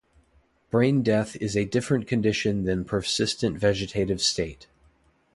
Brain death is a different condition than persistent vegetative state.